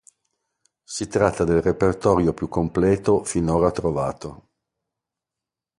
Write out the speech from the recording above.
Si tratta del reperto più completo finora trovato.